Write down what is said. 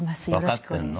わかっているの？